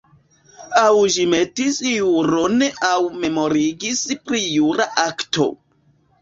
Aŭ ĝi metis juron aŭ memorigis pri jura akto.